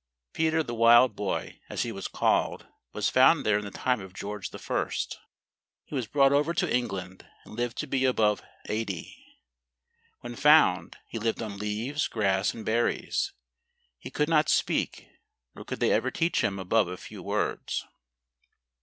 Peter the wild boy, as he was called, was found there in the time of George I. He was G8 POLAND. / brought over to England, and lived to be above SO. When found, he lived on leaves, grass, and berries. He could not speak, nor could they ever teach him above a few words.